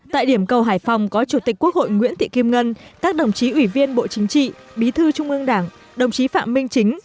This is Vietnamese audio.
tại điểm cầu hải phòng có chủ tịch quốc hội nguyễn thị kim ngân các đồng chí ủy viên bộ chính trị bí thư trung ương đảng đồng chí phạm minh chính